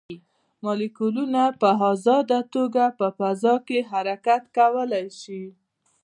مالیکولونه په ازاده توګه په فضا کې حرکت کولی شي.